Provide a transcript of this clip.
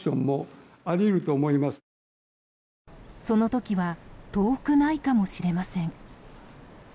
その時は遠くないかもしれません。